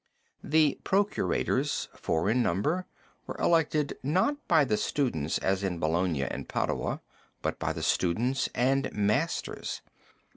The procurators, four in number, were elected, not by the students as in Bologna and Padua, but by the students and masters.